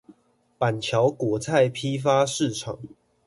板橋果菜批發市場